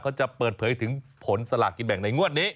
เขาจะเปิดเผยถึงผลสลากกินแบ่งในงวดนี้